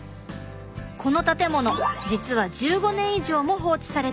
この建物実は１５年以上も放置されていた空き家。